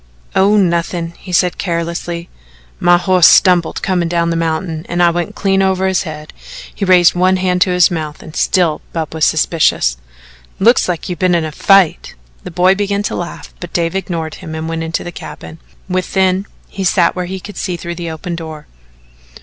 "Oh, nothin'," he said carelessly. "My hoss stumbled comin' down the mountain an' I went clean over his head." He raised one hand to his mouth and still Bub was suspicious. "Looks like you been in a fight." The boy began to laugh, but Dave ignored him and went on into the cabin. Within, he sat where he could see through the open door.